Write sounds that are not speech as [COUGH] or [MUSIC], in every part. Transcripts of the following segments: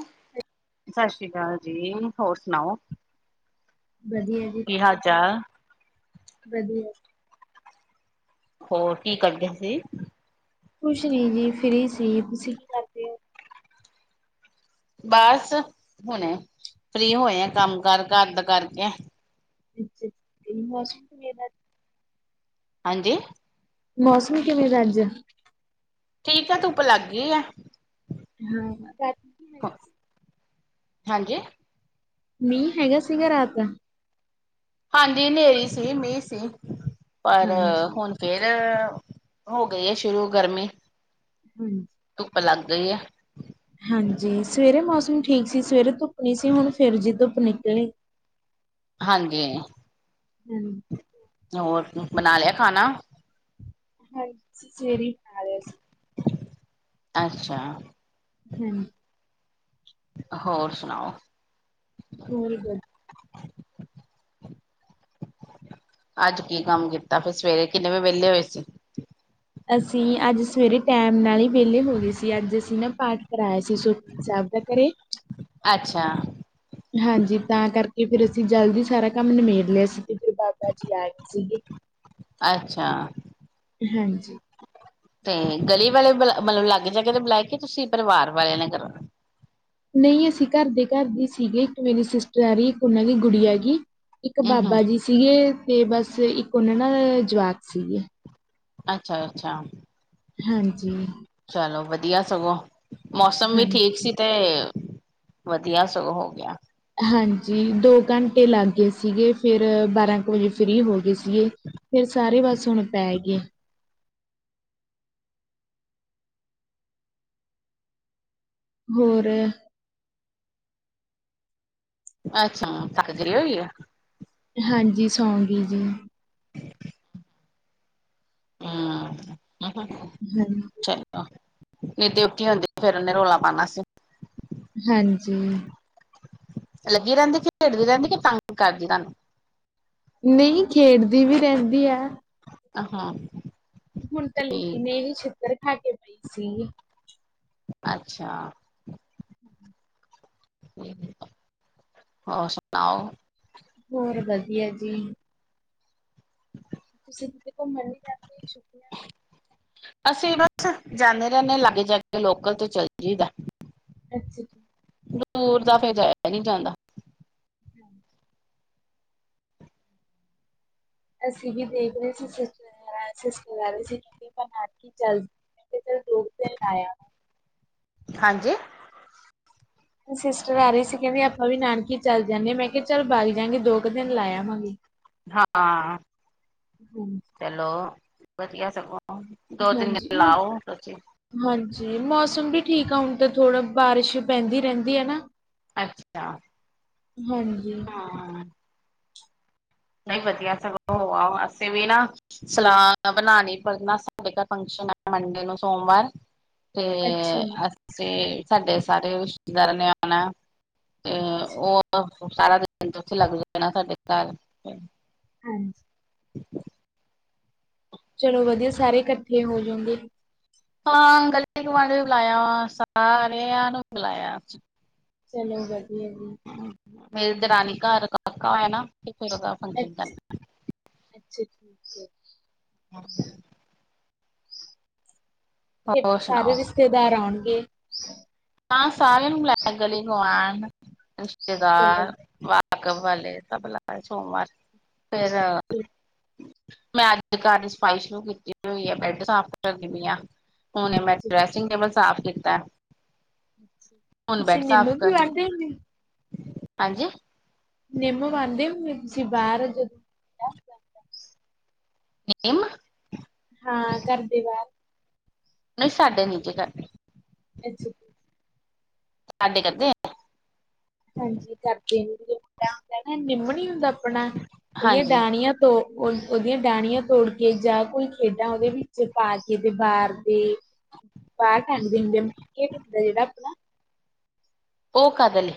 ਸਤਿ ਸ੍ਰੀ ਅਕਾਲ ਜੀ ਹੋਰ ਸੁਣਾਓ। ਵਧੀਆ ਜੀ ਕੀ ਹਾਲ ਤੁਸੀਂ? ਚਾਲ। ਵਧੀਆ ਹੋਰ ਕੀ ਕਰਦੇ ਸੀ। ਕੁਛ ਨਹੀਂ ਜੀ ਫ੍ਰਰੀ ਸੀ ਤੁਸੀ ਕੀ ਕਰਦੇ ਹੋ। ਬਸ ਹੁਣੇ ਫ੍ਰਰੀ ਹੋਏ ਆ ਕੰਮ ਕਰ ਘਰ ਦਾ ਕਰਕੇ। ਅੱਛਾ ਅੱਛਾ ਮੌਸਮ [UNINTELLIGIBLE] ਹਾਂਜੀ ਮੌਸਮ ਕਿਵੇਂ ਦਾ ਅੱਜ। ਠੀਕ ਹੈ ਧੁੱਪ ਲੱਗ ਗਈ ਆ ਹਾਂ [UNINTELLIGIBLE] ਹਾਂਜੀ ਮੀਹ ਹੈਗਾ ਸੀਗਾ ਰਾਤ ਦਾ ਹਾਂਜੀ ਹਨੇਰੀ ਸੀ ਮੀਂਹ ਸੀ ਪਰ ਹਾਂਜੀ ਹੁਣ ਫੇਰ ਹੋ ਗਈ ਹੈ ਸ਼ੁਰੂ ਗਰਮੀ ਹਾਂਜੀ ਧੁੱਪ ਲੱਗ ਗਈ ਹੈ। ਹਾਂਜੀ ਸਵੇਰੇ ਮੌਸਮ ਠੀਕ ਸੀ ਸਵੇਰੇ ਧੁੱਪ ਨੀ ਸੀ ਹੁਣ ਫਿਰ ਜੀ ਧੁੱਪ ਨਿਕਲੀ ਹਾਂਜੀ ਹੂੰ ਹੋਰ ਬਣਾ ਲਿਆ ਖਾਣਾ। ਹਾਂਜੀ ਅਸੀ ਸਵੇਰੇ ਬਣਾ ਲਏ ਸੀ। ਅੱਛਾ ਹੂੰ ਹੋਰ ਸੁਣਾਓ [INAUDIBLE] [UNINTELLIGIBLE] ਅੱਜ ਕੀ ਕੰਮ ਕੀਤਾ, ਫਿਰ ਸਵੇਰੇ ਕਿੰਨੇ ਵਜੇ ਵਿਹਲੇ ਹੋਏ ਸੀ। ਅਸੀਂ ਅੱਜ ਸਵੇਰੇ ਟੈਮ ਨਾਲ ਹੀ ਵਿਹਲੇ ਹੋ ਗਏ ਸੀ। ਅੱਜ ਅਸੀਂ ਨਾ ਪਾਠ ਕਰਵਾਇਆ ਸੀ ਸੁਖਮਨੀ ਸਾਹਿਬ [INAUDIBLE] ਅੱਛਾ। ਹਾਂਜੀ, ਤਾਂ ਕਰਕੇ ਫੇਰ ਅਸੀਂ ਜਲਦੀ ਸਾਰਾ ਕੰਮ ਨਿਮੇੜ ਲਿਆ ਸੀ, ਤੇ ਫੇਰ ਬਾਬਾ ਜੀ ਆਏ ਸੀ ਗੇ, ਅੱਛਾ ਹਾਂਜੀ। ਤੇ ਗਲੀ ਵਾਲੇ ਬ ਮਤਲਬ ਲਾਗੇ- ਛਾਗੇ ਵਾਲੇ ਬੁਲਾਏ ਕੇ ਤੁਸੀਂ ਪਰਿਵਾਰ ਵਾਲਿਆਂ ਨੇ ਕਰਾਣਾ ਨਹੀਂ ਅਸੀਂ ਘਰਦੇ-ਘਰਦੇ ਸੀਗੇ ਇੱਕ ਮੇਰੀ ਸਿਸਟਰ ਆ ਰਹੀ, ਇੱਕ ਉਹਨਾਂ ਦੀ ਗੁੜੀ ਆਗੀ ਇੱਕ ਹਮ ਬਾਬਾ ਜੀ ਸੀਗੇ, ਤੇ ਬਸ ਇੱਕ ਉਹਨਾਂ ਨਾਲ ਜਵਾਕ ਸੀਗੇ। ਅੱਛਾ-ਅੱਛਾ। ਹਾਂਜੀ। ਵਧੀਆ ਸਗੋਂ, ਮੌਸਮ ਵੀ ਠੀਕ ਹਾਂਜੀ ਸੀ ਤੇ ਵਧੀਆ ਸਗੋਂ ਹੋ ਗਿਆ। ਹਾਂਜੀ ਦੋ ਘੰਟੇ ਲੱਗ ਗਏ ਸੀਗੇ, ਫੇਰ ਬਾਰਾਂ ਕੁ ਵਜੇ ਫ੍ਰਰੀ ਹੋ ਗਏ ਸੀਗੇ। ਫੇਰ ਸਾਰੇ ਬੱਸ ਹੁਣ ਪੈ ਗਏ। ਹੋਰ ਅੱਛਾ। ਤਕਤਰੀ ਹੋਈ ਆ [INAUDIBLE] ਜੀ ਜੀ ਹੂੰ ਹਾਂਜੀ ਚਲੋ [INAUDIBLE] ਨੀ ਤੇ ਉਠੀ ਹੁੰਦੀ, ਫੇਰ ਉਹਨੇ ਰੌਲਾ ਪਾਉਣਾ ਸੀ। ਹਾਂਜੀ। ਲੱਗੀ ਰਹਿੰਦੀ, ਕਿ ਖੇਡਦੀ ਰਹਿੰਦੀ, ਕਿ ਤੰਗ ਕਰਦੀ ਤੁਹਾਨੂੰ? ਨਹੀਂ ਖੇਡਦੀ ਵੀ ਰਹਿੰਦੀ ਹੈ ਆਹ ਹਾਂ ਹੁਣ ਤਾਂ ਠੀਕ ਲੇਕੀਨ ਇਹ ਛਿੱਤਰ ਖਾ ਕੇ ਪਈ ਸੀ। ਅੱਛਾ। ਹੋਰ ਸੁਣਾਓ ਹੋਰ ਵਧੀਆ ਜੀ। ਤੁਸੀਂ ਕਿਤੇ ਘੁੰਮਣ ਨੀ ਜਾਦੇ ਛੁੱਟਿਆ [INAUDIBLE] ਅਸੀਂ ਬਸ ਜਾਂਦੇ ਰਹਿੰਦੇ ਹ ਲਾਗੇ-ਛਾਗੇ ਲੋਕਲ ਤੇ ਚੱਲ ਜਈਦਾ। ਅੱਜੀ ਕੀ [INAUDIBLE] ਦੂਰ ਦਾ ਫਿਰ, ਜਾਇਆ ਨਹੀਂ ਜਾਂਦਾ। ਹਮ [INAUDIBLE] ਅਸੀਂ ਵੀ ਦੇਖ ਰਹੇ ਸੀ ਸ ਸਚਦ ਸੀ ਕਿਉਂਕਿ ਨਾਨਕੀ ਚੱਲ [INAUDIBLE] ਰੂੂਰ ਲਾਇ [INAUDIBLE] ਹਾਂਜੀ ਸਿਸਟਰ ਆ ਰਹੀ ਸੀ, ਕਹਿੰਦੀ ਆਪਾਂ ਵੀ ਨਾਨਕੇ ਚੱਲ ਜਾਂਦੇ, ਮੈਂ ਕਿਹਾ ਚੱਲ ਬਗ ਜਾਂਗੇ ਦੋ ਕੁ ਦਿਨ ਲਾ ਆਵਾਂਗੇ। ਹਾਂਜੀ। ਹਾਂ-ਚਲੋ ਵਧੀਆ ਸਗੋਂ। ਦੋ, ਤਿੰਨ ਦਿਨ ਲਾਓ ਤੁਸੀ ਜੀ ਮੌਸਮ ਵੀ ਠੀਕ ਆ ਹੁਣ ਤਾਂ ਥੋੜਾ, ਬਾਰਿਸ਼ ਪੈਂਦੀ ਰਹਿੰਦੀ ਹੈ ਨਾ। ਅੱਛਾ। ਹਾਂਜੀ। ਹਾਂ ਨਹੀਂ ਵਧੀਆ ਸਗੋਂ ਹੋ ਆਓ, ਅਸੀਂ ਵੀ ਨਾ ਸਲਾਹ ਬਣਾਉਣੀ, ਪਰ ਨਾ ਸਾਡੇ ਘਰ ਫੰਕਸ਼ਨ ਮੰਡੇ ਨੂੰ ਸੋਮਵਾਰ ਤੇ ਅੱਛਾ। ਜੀ, ਅਸੀਂ, ਸਾਡੇ ਸਾਰੇ ਰਿਸ਼ਤੇਦਾਰਾਂ ਨੇ ਆਉਣਾ। ਤੇ ਅੱਛਾ ਉਹ ਸਾਰਾ ਦਿਨ ਉੱਥੇ ਲੱਗ ਜਾਣਾ ਸਾਡੇ ਘਰ ਹਾਂਜੀ। ਚਲੋ ਵਧੀਆ ਸਾਰੇ ਇਕੱਠੇ ਹੋ ਜਾਂਉਗੇ। ਹਾਂ, ਗਲੀ ਗੁਆਂਢ ਵੀ ਬੁਲਾਇਆ ਵਾ, ਸਾਰਿਆਂ ਨੂੰ ਬੁਲਾਇਆ ਚਲੋ ਵਧੀਆ ਵੀ। ਮੇਰੇ ਦਰਾਨੀ ਘਰ ਕਾਕਾ ਹੈ ਨਾ ਤੇ ਫਿਰ ਉਹਦਾ ਫੰਕਸ਼ਨ ਅੱਛਾ, ਕਰਨਾ। ਠੀਕ ਹੈ। ਹਾਂ ਤੇ ਹੋਰ ਸਾਰੇ ਸੁਣਾਓ। ਰਿਸ਼ਤੇਦਾਰ ਆਉਣਗੇ। ਹਾਂ ਸਾਰਿਆਂ ਨੂੰ ਬੁਲਾਇਆ ਗਲੀ ਗੁਆਂਢ ਚਲੋ ਰਿਸ਼ਤੇਦਾਰ ਵਾਕ ਵਾਲੇ ਸਭ ਲਾਏ ਸੋਮਵਾਰ ਫੇਰ ਠੀਕ, ਮੈਂ ਅੱਜ ਘਰ ਦੀ ਸਫ਼ਾਈ ਸ਼ੁਰੂ ਕੀਤੀ ਹੋਈ ਹੈ ਬੈੱਡ ਸਾਫ਼ ਕਰਦੀ ਪਈ ਆਂ। ਉਹਨੇ ਮੈਂ ਅੱਛਾ ਜੀ, ਡਰੈਸਿੰਗ ਟੇਬਲ ਸਾਫ਼ ਕੀਤਾ। ਹੁਣ ਤੁਸੀਂ ਬੈਡ ਸਾਫ਼ ਮੈਨੂੰ ਵੀ ਕਰਨ ਵਦੇ [UNINTELLIGIBLE] ਹੋ। ਹਾਂਜੀ ਤੁਸੀ ਬਾਰ ਜਦੋਂ ਇਹਮ [UNINTELLIGIBLE] ਹਾਂ ਘਰ ਦੇ ਬਾਹਰ ਨਹੀਂ ਸਾਡੇ ਨੀ ਜੇ ਕਰਦੇ। ਅ [INAUDIBLE] ਸਾਡੇ ਕਰਦੇੇ ਆ। ਹਾਂਜੀ ਕਰਦੇ ਜ ਮੁੰਡਾ ਹੁੰਦਾ ਨਾ ਨਿੰਮ ਨ ਹੁੰਦਾ। ਆਪਣਾ ਉਹਦੀਆਂ ਹਾਂਜੀ ਡਣੀਆਂ ਤੋਂ ਉਹ ਉਹਦੀਆਂ ਡਣੀਆਂ ਤੋੜ ਕੇ ਜਾਂ ਕੋਈ ਖੇਡਾਂ ਉਹਦੇ ਵਿੱਚ ਪਾ ਕੇ ਤੇ ਬਾਹਰ ਦੇ ਬਾਹਰ ਖਾਂਦੇ ਹੁੰਦੇ ਆ ਮੇਟ ਹੁੰਦਾ ਜਿਹੜਾ ਆਪਣਾ ਓ ਕਾਦੇ ਲਈ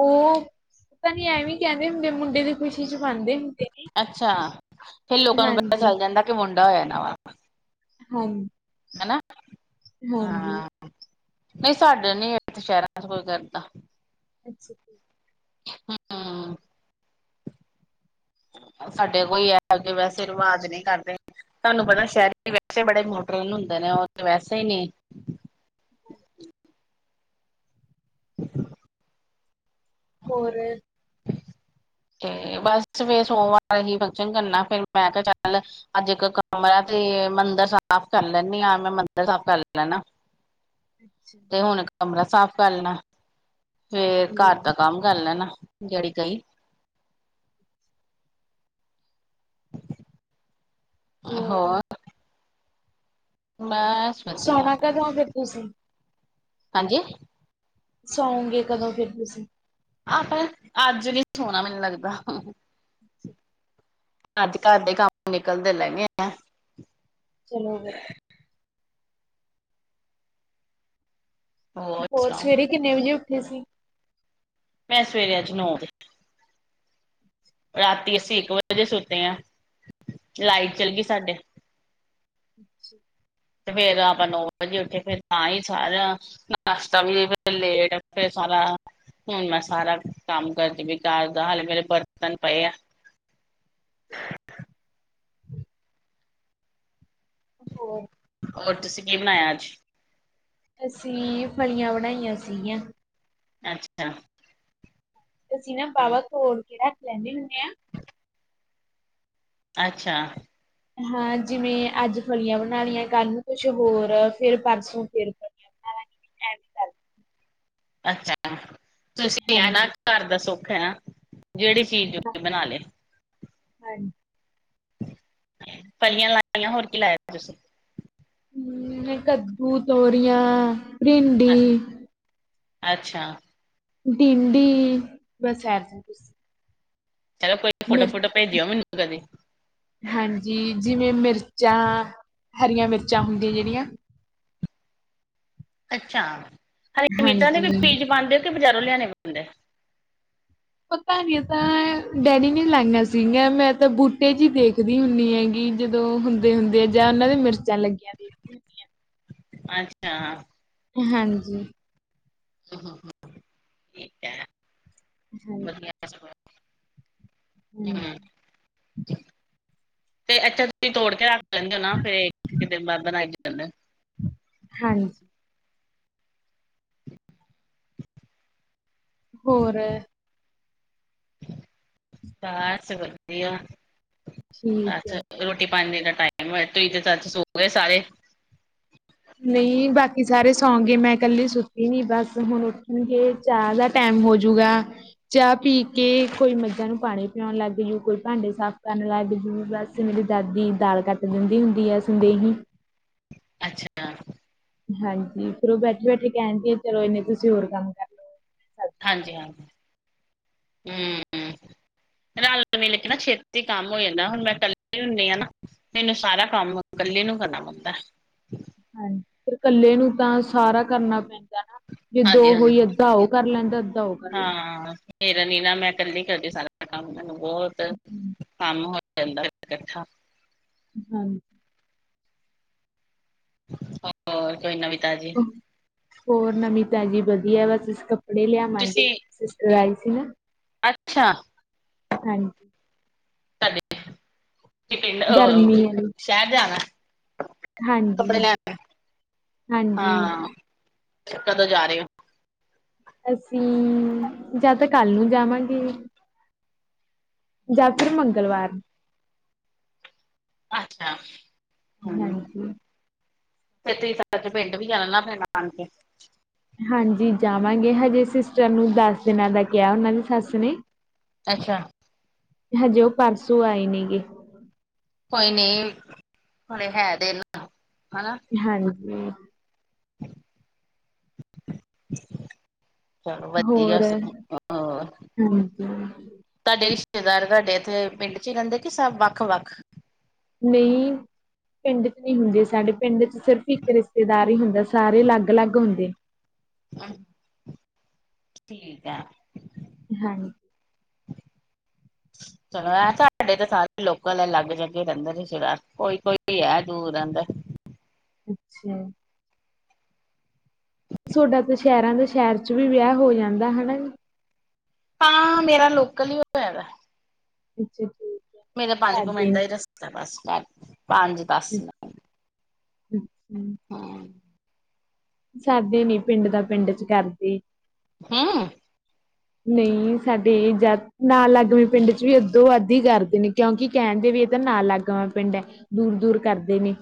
ਉਹ ਪਤਾ ਨੀ ਐਵੇਂ ਕਹਿੰਦੇ ਹੁੰਦੇ ਮੁੰਡੇ ਦੀ ਖ਼ੁਸ਼ੀ 'ਚ ਪਾਂਦੇ ਹੁੰਦੇ ਨੇ। ਅੱਛਾ ਫੇਰ ਲੋਕਾਂ ਨੂੰ ਪਤਾ ਹਾਂਜੀ, ਚੱਲ ਜਾਂਦਾ ਕਿ ਮੁੰਡਾ ਹੋਇਆ ਨਾ ਵਾ ਹਾਂਜੀ। ਹਾਂਜੀ। ਹਾਂ ਨਹੀਂ ਸਾਡੇ ਨੀ ਇਥੇ ਸ਼ਹਿਰਾਂ 'ਚ ਕੋਈ ਕਰਦਾ। ਅੱਛਾ ਜੀ। ਹਾਂ। ਸਾਡੇ ਕੋਈ ਐਗੇ ਵੈਸੇ ਰਿਵਾਜ਼ ਨਹੀਂ ਕਰਦੇ। ਤੁਹਾਨੂੰ ਪਤਾ ਸ਼ਹਿਰ ਦੇ ਬੱਚੇ ਬੜੇ ਮੋਡਰਨ ਹੁੰਦੇ ਨੇ ਉਹ ਤੇ ਵੈਸੇ ਹੀ ਨਹੀਂ [INAUDIBLE] [INAUDIBLE] ਹੋਰ ਤੇ ਬਸ ਫਿਰ ਸੋਮਵਾਰ ਅਹੀ ਫੰਕਸ਼ਨ ਕਰਨਾ ਫੇਰ ਮੈਂ ਕਿਹਾ ਚੱਲ ਅੱਜ ਇੱਕ ਕਮਰਾ ਤੇ ਤੇ ਮੰਦਿਰ ਸਾਫ਼ ਕਰ ਲੈਣੀ ਆਂ ਮੈਂ ਮੰਦਿਰ ਸਾਫ਼ ਕਰ ਲੈਣਾ। ਤੇ ਹੁਣ [INAUDIBLE] ਕਮਰਾ ਸਾਫ਼ ਕਰ ਲੈਣਾ ਫੇਰ ਚਲੋ ਘਰ ਦਾ ਕੰਮ ਕਰ ਲੈਣਾ ਜਿਹੜੀ ਕਈ ਹੋਰ। ਬਸ ਵਧੀਆ ਸੋਣਾ ਕਦੋਂ ਫਿਰ ਤੁਸੀਂ ਹਾਂਜੀ ਸਓਂਗੇ ਕਦੋਂ ਫਿਰ ਤੁਸੀਂ ਆਪ ਅੱਜ ਨੀ ਸੋਣਾ ਮੈਨੂੰ ਲੱਗਦਾ। ਅੱਜ ਘਰ ਦੇ ਕੰਮ ਨਿਕਲਦੇ ਲੈ ਗ ਆ। ਚਲੋ ਫਿਰ ਹੋਰ ਸਵੇਰੇ ਕਿੰਨੇ ਵਜੇ ਉੱਠੇ ਸੀ। ਮੈਂ ਸਵੇਰੇ ਅੱਜ ਨੌ ਵਜੇ ਰਾਤੀ ਅਸੀਂ ਇੱਕ ਵਜੇ ਦੇ ਸੁੱਤੇ ਹਾਂ ਲਾਈਟ ਚੱਲ ਗਈ ਸਾਡੇ [INAUDIBLE] ਤੇ ਫੇਰ ਆਪਾਂ ਨੌ ਵਜੇ ਉੱਠੇ ਫੇਰ ਤਾਂ ਹੀ ਸਾਰਿਆਂ ਨਾਸ਼ਤਾ ਵੀ ਲੇਟ ਫੇਰ [UNINTELLIGIBLE] ਹੁਣ ਮੈਂ ਸਾਰਾ ਕੰਮ ਕਰਦੀ ਵੀ ਘਰਦਾ ਹਾਲੇ ਮੇਰੇ ਬਰਤਨ ਪਏ ਆ। [INAUDIBLE] ਹੋਰ। ਹੋਰ ਤੁਸੀਂ ਕੀ ਬਣਾਇਆ ਅੱਜ। ਅਸੀਂ ਫਲੀਆਂ ਬਣਾਈਆਂ ਸੀਗੀਆਂ। ਅੱਛਾ। ਅਸੀਂ ਨਾ ਹੂੰ ਬਾਵਾ ਘੋਲ ਕੇ ਰੱਖ ਲੈਣੇ ਹੁੰਦੇ ਆ। ਅੱਛਾ। ਹਾਂ ਜਿਵੇਂ ਅੱਜ ਫਲੀਆਂ ਬਣਾ ਲਈਆਂ ਕੱਲ ਨੂੰ ਕੁਛ ਹੋਰ ਫਿਰ ਪਰਸੋਂ ਫਿਰ ਫਲੀਆਂ ਬਣਾ ਲਈਆ [UNINTELLIGIBLE] ਅੱਛਾ ਤੁਸੀਂ ਆ ਨਾ ਹਾਂਜੀ, ਘਰ ਦਾ ਸੁੱਖ ਹੈ ਨਾ। ਜਿਹੜੀ ਚੀਜ਼ ਬਣਾ ਲਏ। ਹਾਂਜੀ ਫਲੀਆਂ ਲਾਈਆਂ ਹੋਰ ਕੀ ਲਾਈਆਂ ਤੁਸੀਂ। ਹੂੰ ਕੱਦੂ, ਤੋਰੀਆਂ, ਭਿੰਡੀ। ਅੱਛਾ। ਡਿੰਡੀ ਬਸ ਐਹ ਸਭ ਕੁਝ। ਚਲੋ ਕੋਈ ਫੋਟੋ ਫੋਟੋ ਭੇਜਿਓ ਮੈਨੂੰ ਕਦੇ। ਹਾਂਜੀ, ਜਿਵੇਂ ਮਿਰਚਾਂ, ਹਰੀਆਂ ਮਿਰਚਾਂ ਹੁੰਦੀਆਂ ਜਿਹੜੀਆਂ। ਅੱਛਾ ਹਰੀ ਮਿਰਚਾਂ ਦੇ ਵੀ ਹਾਂਜੀ। ਬੀਜ ਪਾਉਂਦੇ ਕਿ ਬਜ਼ਾਰੋਂ ਲਿਆਣੇ ਪੈਂਦੈ? ਪਤਾ ਨਹੀਂ ਤਾਂ ਡੈਡੀ ਨੇ ਲਾਈਆਂ ਸੀਗੀਆਂ। ਜਦੋਂ ਹੁੰਦੇ ਹੁੰਦੇ ਆ ਜਾਂ ਉਹਨਾਂ ਦੇ ਮਿਰਚਾਂ ਲੱਗੀਆਂ ਦੇ ਅੱਛਾ। ਹਾਂਜੀ। ਹਾ ਠੀਕ ਹੈ ਵਧੀਆ ਸਗੋ ਹਮ। ਤੇ ਅੱਛਾ ਤੁਸੀਂ ਤੋੜ ਕੇ ਰੱਖ ਲੈਂਦੇ ਹੋ ਨਾ ਫੇਰ ਕਿਤੇ। [UNINTELLIGIBLE] [UNINTELLIGIBLE] ਹਾਂਜੀ। ਹੋਰ? ਬਸ ਵਧੀਆ। ਠੀਕ ਹੈ। ਪੜਨੇ ਦਾ ਟਾਈਮ ਹੋ ਤੁਸੀਂ ਤੇ ਸਚ ਸੋ ਗਏ ਸਾਰੇ? ਨਹੀਂ ਬਾਕੀ ਸਾਰੇ ਸੌਂ ਗਏ ਮੈਂ ਕੱਲੀ ਸੁੱਤੀ ਨੀ ਬਸ ਹੁਣ ਉੱਠਣਗੇ ਚਾਹ ਦਾ ਟੈਮ ਹੋਜੂਗਾ ਚਾਹ ਪੀ ਹਮ, ਕੇ ਕੋਈ ਮਰਜ਼ ਨੂੰ ਪਾਣੀ ਪਿਉਣ ਲੱਗ ਜੂ ਕੋਈ ਭਾਂਡੇ ਸਾਫ਼ ਕਰਨ ਲੱਗ ਜੂ ਬਸ ਮੇਰੀ ਦਾਦੀ ਦਾਲ ਕੱਟ ਦਿੰਦੀ ਹੁੰਦੀ ਆ ਸੰਦੇਹੀ। ਅੱਛਾ। ਹਾਂਜੀ ਫਿਰ ਉਹ ਬੈਠੇ ਬੈਠੇ ਕਹਿਣਗੇ ਚਲੋ ਇਨੇ ਤੁਸੀਂ ਹੋਰ ਕੰਮ ਕਰ ਲੋ। ਹਾਂਜੀ ਹਾਂਜੀ ਹਮ। ਰਲ ਮਿਲ ਕੇ ਨਾ ਛੇਤੀ ਕੰਮ ਹੋ ਜਾਂਦਾ ਹੁਣ ਮੈਂ ਕੱਲੀ ਹੁੰਦੀ ਹਾਂ ਨਾ ਮੈਨੂੰ ਸਾਰਾ ਕੰਮ ਹ ਕੱਲੇ ਨੂੰ ਕਰਨਾ ਪੈਦਾਂ। ਹਾਂਜੀ ਫਿਰ ਕੱਲੇ ਨੂੰ ਤਾਂ ਸਾਰਾ ਕਰਨਾ ਪੈਂਦਾ। ਜੇਦੋ ਹਾਂਜੀ ਹਾਂਜੀ ਹੋਈ ਅੱਧਾ ਉਹ ਕਰ ਲੈਣਦਾ ਅੱਧਾ ਉਹ ਕਰ ਲੈਣ ਹਾਂ ਮੇਰਾ ਨੀ ਨਾ ਮੈਂ ਇਕੱਲੀ ਕਰਦੀ ਸਾਰਾ ਕੰਮ ਮੈਨੂੰ ਬਹੁਤ ਲੈਂਦਾ ਕੰਮ ਹੋਆ ਜਾਦਾਂ ਕਠਾ। ਹਾਂਜੀ। ਹੋਰ ਕੋਈ ਨਵੀ ਹੋਰ ਨਵੀ ਤਾਜੀ ਵਧੀਆ ਬਸ ਅਸੀਂ ਕੱਪੜੇ ਲਿਆਵਾਂਗੇ ਤੁਸੀਂ ਸਿਸਟਰ ਆਈ ਸੀ [UNINTELLIGIBLE] ਅੱਛਾ। ਹਾਂਜੀ। ਕਦੇ ਕੀ ਪਿੰਡ ਗਰਮੀ ਅਹ ਆਲੀ ਸ਼ਹਿਰ ਜਾਣਾ [UNINTELLIGIBLE] ਹਾਂਜੀ ਕੱਪੜੇ ਲੈਣ ਹਾਂਜੀ। ਹਾਂ ਕਦੋਂ ਜਾ ਰਹੇ ਹੋ? ਅਸੀਂ ਜਾਂ ਤਾਂ ਕੱਲ ਨੂੰ ਜਾਵਾਂਗੇ। ਜਾਂ ਹਮ, ਫਿਰ ਮੰਗਲਵਾਰ। ਅੱਛਾ। ਹਾਂਜੀ। ਖੇਤੀ ਤਜ ਪਿੰਡ ਵੀ ਆਪਣੇ ਨਾਨਕੇ। [UNINTELLIGIBLE] ਹਾਂਜੀ ਜਾਵਾਂਗੇ ਹਜੇ ਸਿਸਟਰ ਨੂੰ ਦਸ ਦਿਨਾਂ ਦਾ ਕਿਹਾ ਉਹਨਾਂ ਦੀ ਸੱਸ ਨੇ। ਅੱਛਾ। ਹਜੇ ਉਹ ਪਰਸੋਂ ਆਏ ਨੇ ਗੇ। ਕੋਈ ਨਹੀਂ ਹੁਣੇੇ ਹੈ ਦਿਨ ਹਾਂਜੀ। ਚਲੋ ਵਧੀਆ ਹੋਰ ਹੋ ਤੁਹਾਡੇ। [UNINTELLIGIBLE] ਹਾਂਜੀ ਰਿਸ਼ਤੇਦਾਰ ਤੁਹਾਡੇ ਇੱਥੇ ਪਿੰਡ ਚ ਹੀ ਰਹਿੰਦੇ ਕਿ ਸਭ ਵੱਖ ਵੱਖ। ਨਹੀਂ। ਪਿੰਡ ਚ ਨਹੀ ਹੁੰਦੇ ਸਾਡੇ ਪਿੰਡ ਚ ਸਿਰਫ ਇੱਕ ਰਿਸ਼ਤੇਦਾਰ ਹੀ ਹੁੰਦਾ ਸਾਰੇ ਅਲੱਗ ਅਲੱਗ ਹੁੰਦੇ । ਠੀਕ ਆ। ਹਾਂਜੀ। [INAUDIBLE] ਚਲੋ ਐ ਸਾਡੇ ਤੇ ਸਾਰੇ ਲੋਕਲ ਹੈ ਅਲੱਗ ਜਗੇ ਰਹਿੰਦੇ ਹੀ ਸਾਰ ਕੋਈ ਕੋਈ ਹੈ ਦੂਰ ਰਹਿੰਦਾ। ਹਮ [INAUDIBLE] ਅੱਛਾ [INAUDIBLE] ਤੁਹਾਡਾ ਤਾਂ ਸ਼ਹਿਰਾਂ ਦੇ ਸ਼ਹਿਰ ਚ ਵੀ ਵਿਆਹ ਹੋ ਜਾਂਦਾ ਹਨਾ ਜੀ। ਹਾਂ ਮੇਰਾ ਲੋਕਲ ਹੀ ਹੋਇਆ ਐ। ਅੱਛਾ ਜੀ [INAUDIBLE] ਮੇਰਾ ਪੰਜ ਕੁ ਮਿੰਟ ਦਾ ਹੀ ਰਸਤਾ ਬਸ। ਪੰਜ ਦਸ ਦਾ। ਅੱਛਾ [INAUDIBLE] ਸਾਡੇ ਨੀ ਪਿੰਡ ਦਾ ਪਿੰਡ ਚ ਕਰਦੇ। ਹੈਂ! ਨਹੀਂ ਸਾਡੇ ਜਦ ਨਾਲ ਲਗਮੀ ਪਿੰਡ ਚ ਵੀ ਅੱਧੋਂ ਵੱਧ ਹੀ ਕਰਦੇ ਨੇ ਕਿਉਂਕਿ ਕਹਿਣ। ਦੇ ਵੀ ਇਹ ਤਾਂ ਨਾਲ ਲੱਗ ਆ ਪਿੰਡ ਹੈ ਦੂਰ ਦੂਰ ਕਰਦੇ ਨੇ।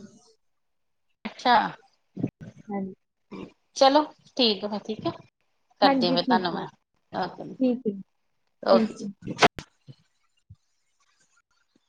ਅੱਛਾ। ਹਾਂਜੀ ਚਲੋ ਠੀਕ ਆ ਫੇਰ ਠੀਕ ਆ। ਕਰਦੇ ਹਾਂਜੀ ਫਿਰ ਠੀਕ ਹੈ ਧੰਨਵਾਦ ਠੀਕ ਹੈ ਓ ਠੀਕ ਓਕੇ ਹੈ ਜੀ।